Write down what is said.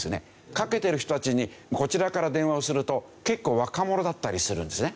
かけてる人たちにこちらから電話をすると結構若者だったりするんですね。